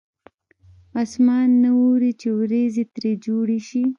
اسمان نه اوري چې ورېځې ترې جوړې شي.